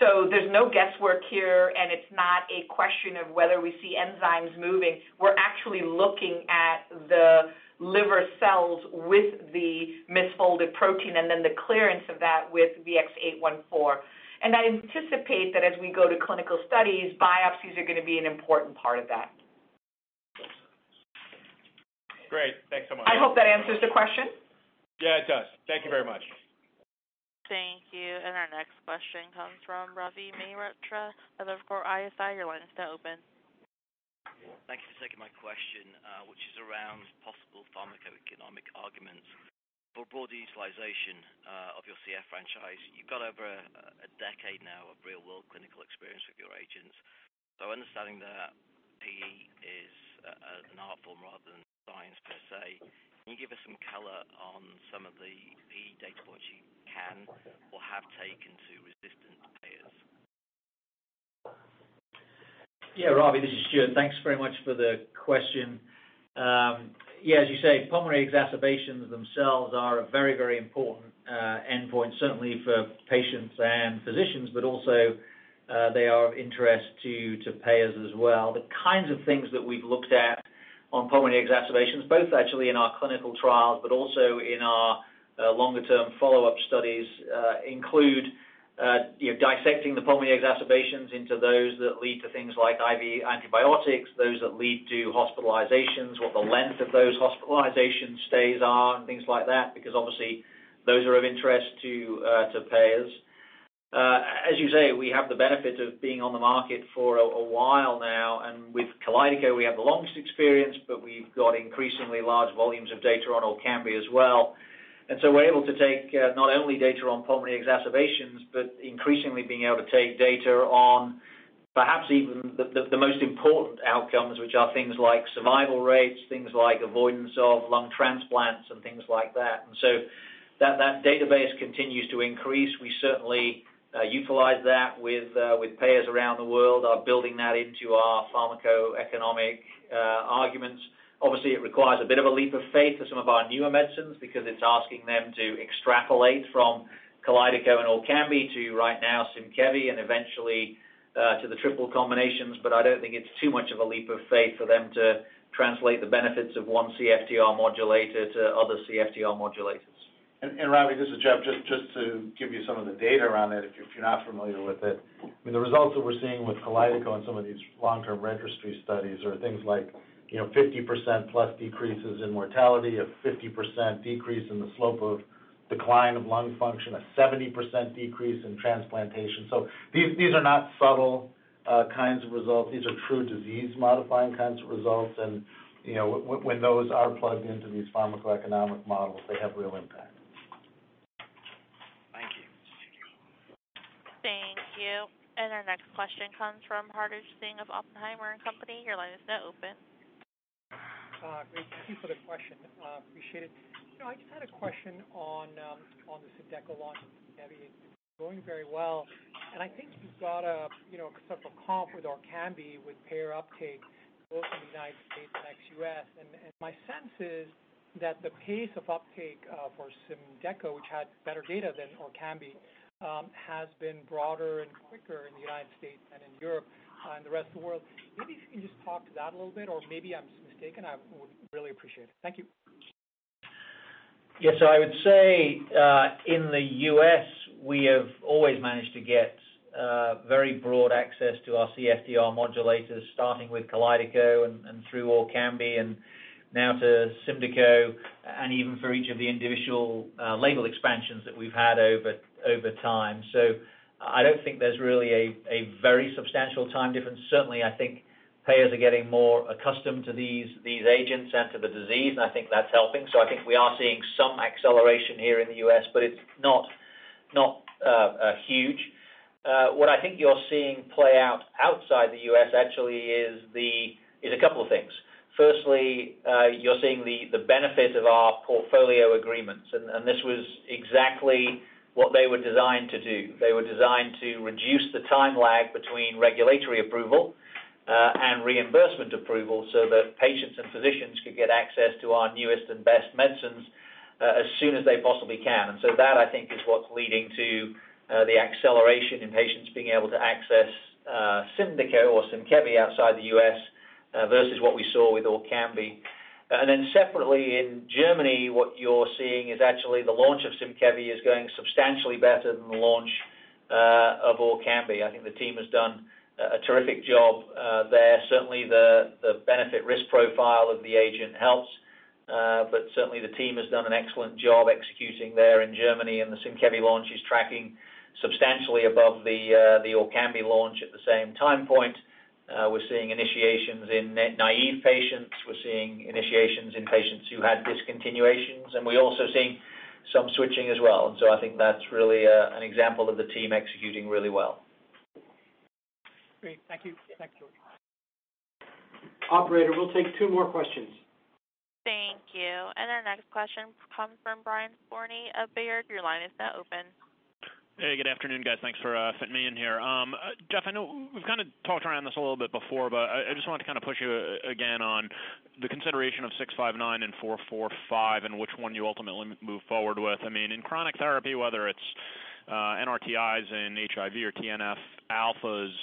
There's no guesswork here, and it's not a question of whether we see enzymes moving. We're actually looking at the liver cells with the misfolded protein and then the clearance of that with VX-814. I anticipate that as we go to clinical studies, biopsies are going to be an important part of that. Great. Thanks so much. I hope that answers the question. Yeah, it does. Thank you very much. Thank you. Our next question comes from Robbie Rajadhyaksha, Evercore ISI. Your line is now open. Thanks for taking my question, which is around possible pharmacoeconomic arguments for broader utilization of your CF franchise. You've got over a decade now of real-world clinical experience with your agents. Understanding that mines per se. Can you give us some color on some of the data points you can or have taken to resistant payers? Robbie, this is Stuart. Thanks very much for the question. As you say, pulmonary exacerbations themselves are a very, very important endpoint, certainly for patients and physicians, but also they are of interest to payers as well. The kinds of things that we've looked at on pulmonary exacerbations, both actually in our clinical trials, but also in our longer-term follow-up studies, include dissecting the pulmonary exacerbations into those that lead to things like IV antibiotics, those that lead to hospitalizations, what the length of those hospitalization stays are, and things like that, because obviously those are of interest to payers. As you say, we have the benefit of being on the market for a while now, and with KALYDECO we have the longest experience, but we've got increasingly large volumes of data on ORKAMBI as well. We're able to take not only data on pulmonary exacerbations, but increasingly being able to take data on perhaps even the most important outcomes, which are things like survival rates, things like avoidance of lung transplants and things like that. That database continues to increase. We certainly utilize that with payers around the world, are building that into our pharmacoeconomic arguments. Obviously, it requires a bit of a leap of faith for some of our newer medicines because it's asking them to extrapolate from KALYDECO and ORKAMBI to right now, SYMKEVI, and eventually to the triple combinations. I don't think it's too much of a leap of faith for them to translate the benefits of one CFTR modulator to other CFTR modulators. Robbie, this is Jeff. Just to give you some of the data around it, if you're not familiar with it. The results that we're seeing with KALYDECO and some of these long-term registry studies are things like 50% plus decreases in mortality, a 50% decrease in the slope of decline of lung function, a 70% decrease in transplantation. These are not subtle kinds of results. These are true disease-modifying kinds of results, and when those are plugged into these pharmacoeconomic models, they have real impact. Thank you. Thank you. Thank you. Our next question comes from Hartaj Singh of Oppenheimer and Company. Your line is now open. Great. Thank you for the question. Appreciate it. I just had a question on the SYMDEKO launch and SYMKEVI. It's going very well. I think you've got a sort of a comp with ORKAMBI with payer uptake both in the United States and ex-U.S. My sense is that the pace of uptake for SYMDEKO, which had better data than ORKAMBI, has been broader and quicker in the United States than in Europe and the rest of the world. Maybe if you can just talk to that a little bit or maybe I'm mistaken. I would really appreciate it. Thank you. Yeah. I would say, in the U.S. we have always managed to get very broad access to our CFTR modulators, starting with KALYDECO and through ORKAMBI and now to SYMDEKO, and even for each of the individual label expansions that we've had over time. I don't think there's really a very substantial time difference. Certainly, I think payers are getting more accustomed to these agents and to the disease, and I think that's helping. I think we are seeing some acceleration here in the U.S., but it's not huge. What I think you're seeing play out outside the U.S. actually is a couple of things. Firstly, you're seeing the benefit of our portfolio agreements. This was exactly what they were designed to do. They were designed to reduce the time lag between regulatory approval and reimbursement approval so that patients and physicians could get access to our newest and best medicines as soon as they possibly can. That I think, is what's leading to the acceleration in patients being able to access SYMDEKO or SYMKEVI outside the U.S. versus what we saw with ORKAMBI. Separately in Germany, what you're seeing is actually the launch of SYMKEVI is going substantially better than the launch of ORKAMBI. I think the team has done a terrific job there. Certainly, the benefit risk profile of the agent helps. Certainly, the team has done an excellent job executing there in Germany, and the SYMKEVI launch is tracking substantially above the ORKAMBI launch at the same time point. We're seeing initiations in naive patients. We're seeing initiations in patients who had discontinuations, and we're also seeing some switching as well. I think that's really an example of the team executing really well. Great. Thank you. Thanks, Stuart. Operator, we'll take two more questions. Thank you. Our next question comes from Brian Skorney of Baird. Your line is now open. Hey, good afternoon, guys. Thanks for fitting me in here. Jeff, I know we've kind of talked around this a little bit before, but I just wanted to push you again on the consideration of VX-659 and VX-445 and which one you ultimately move forward with. In chronic therapy, whether it's NRTIs in HIV or TNF-alphas,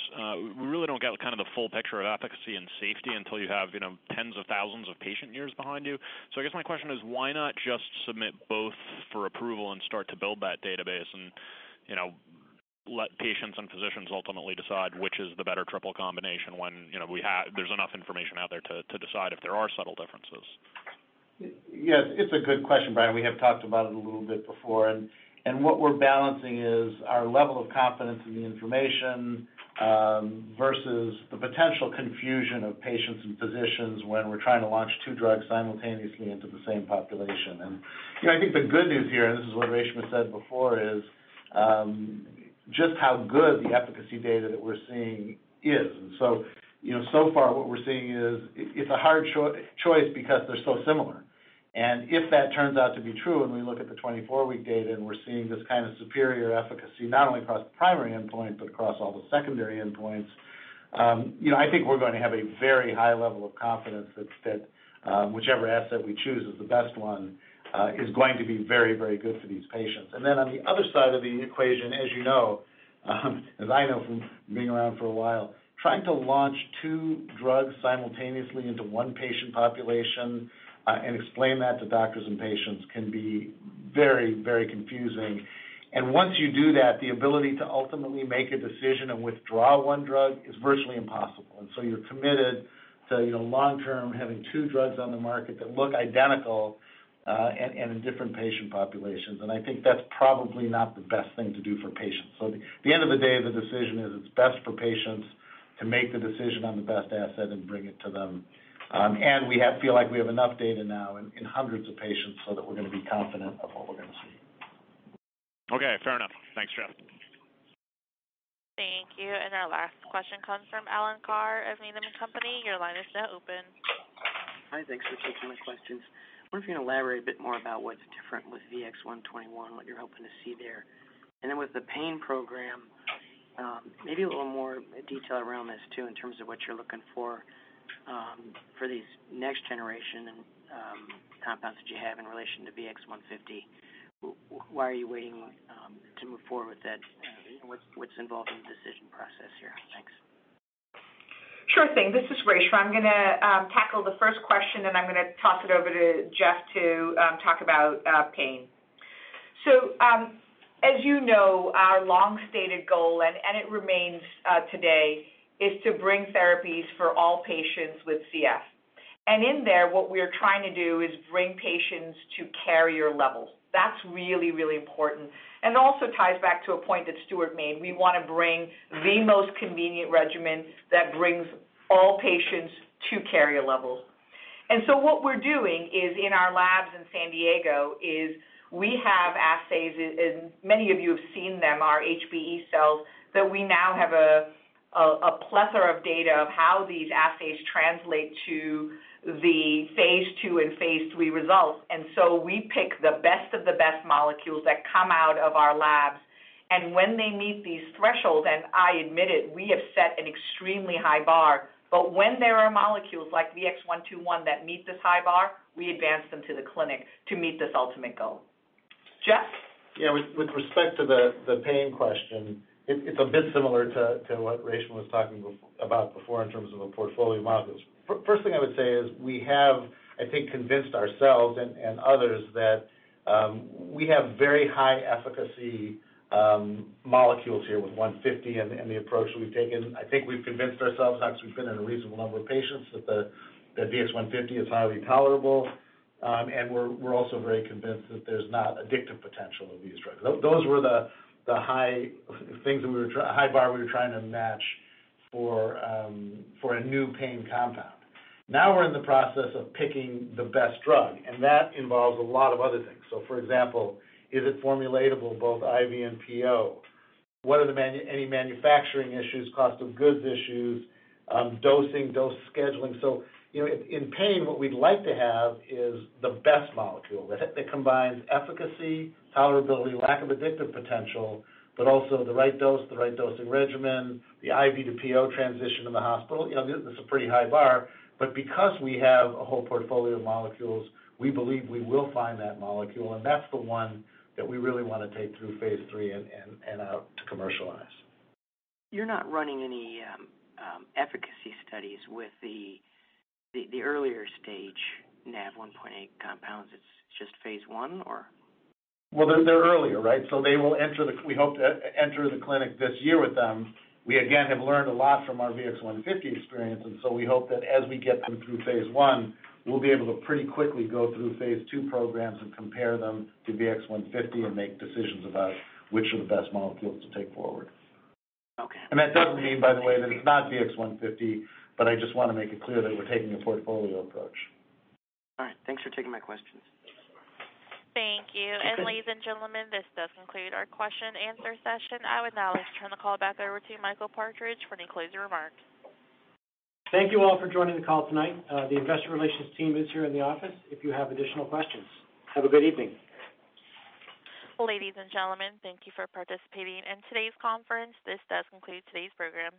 we really don't get the full picture of efficacy and safety until you have tens of thousands of patient years behind you. I guess my question is, why not just submit both for approval and start to build that database and let patients and physicians ultimately decide which is the better triple combination when there's enough information out there to decide if there are subtle differences? Yes, it's a good question, Brian. We have talked about it a little bit before, what we're balancing is our level of confidence in the information versus the potential confusion of patients and physicians when we're trying to launch two drugs simultaneously into the same population. I think the good news here, and this is what Reshma said before, is Just how good the efficacy data that we're seeing is. So far what we're seeing is, it's a hard choice because they're so similar. If that turns out to be true and we look at the 24-week data and we're seeing this kind of superior efficacy, not only across the primary endpoint but across all the secondary endpoints, I think we're going to have a very high level of confidence that whichever asset we choose is the best one, is going to be very good for these patients. On the other side of the equation, as you know, as I know from being around for a while, trying to launch two drugs simultaneously into one patient population, and explain that to doctors and patients can be very confusing. Once you do that, the ability to ultimately make a decision and withdraw one drug is virtually impossible. You're committed to long-term having two drugs on the market that look identical, and in different patient populations. I think that's probably not the best thing to do for patients. At the end of the day, the decision is it's best for patients to make the decision on the best asset and bring it to them. We feel like we have enough data now in hundreds of patients so that we're going to be confident of what we're going to see. Okay, fair enough. Thanks, Jeff. Thank you. Our last question comes from Alan Carr of Needham & Company. Your line is now open. Hi, thanks for taking my questions. I wonder if you can elaborate a bit more about what's different with VX-121, what you're hoping to see there. With the pain program, maybe a little more detail around this too, in terms of what you're looking for these next generation compounds that you have in relation to VX-150. Why are you waiting to move forward with that? What's involved in the decision process here? Thanks. Sure thing. This is Reshma. I'm going to tackle the first question, and I'm going to toss it over to Jeff to talk about pain. As you know, our long-stated goal, and it remains today, is to bring therapies for all patients with CF. In there, what we are trying to do is bring patients to carrier levels. That's really important, and also ties back to a point that Stuart made. We want to bring the most convenient regimen that brings all patients to carrier levels. What we're doing is, in our labs in San Diego, is we have assays, and many of you have seen them, our HBE cells, that we now have a plethora of data of how these assays translate to the phase II and phase III results. We pick the best of the best molecules that come out of our labs. When they meet these thresholds, and I admit it, we have set an extremely high bar, but when there are molecules like VX-121 that meet this high bar, we advance them to the clinic to meet this ultimate goal. Jeff? Yeah. With respect to the pain question, it's a bit similar to what Reshma was talking about before in terms of the portfolio models. First thing I would say is we have, I think, convinced ourselves and others that we have very high efficacy molecules here with 150 and the approach that we've taken. I think we've convinced ourselves, now because we've been in a reasonable number of patients, that VX-150 is highly tolerable. We're also very convinced that there's not addictive potential of these drugs. Those were the high bar we were trying to match for a new pain compound. Now we're in the process of picking the best drug, and that involves a lot of other things. For example, is it formulatable both IV and PO? What are any manufacturing issues, cost of goods issues, dosing, dose scheduling? In pain, what we'd like to have is the best molecule that combines efficacy, tolerability, lack of addictive potential, also the right dose, the right dosing regimen, the IV to PO transition in the hospital. This is a pretty high bar. Because we have a whole portfolio of molecules, we believe we will find that molecule, and that's the one that we really want to take through phase III and out to commercialize. You're not running any efficacy studies with the earlier stage NaV1.8 compounds. It's just phase I? They're earlier. We hope to enter the clinic this year with them. We, again, have learned a lot from our VX-150 experience. We hope that as we get them through phase I, we'll be able to pretty quickly go through phase II programs and compare them to VX-150 and make decisions about which are the best molecules to take forward. Okay. That doesn't mean, by the way, that it's not VX-150, I just want to make it clear that we're taking a portfolio approach. All right. Thanks for taking my questions. Thank you. Ladies and gentlemen, this does conclude our question-answer session. I would now like to turn the call back over to Michael Partridge for any closing remarks. Thank you all for joining the call tonight. The investor relations team is here in the office if you have additional questions. Have a good evening. Ladies and gentlemen, thank you for participating in today's conference. This does conclude today's program.